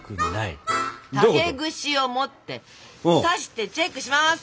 竹串を持って刺してチェックします。